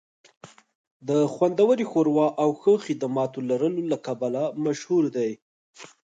د خوندورې ښوروا او ښه خدماتو لرلو له کبله مشهور دی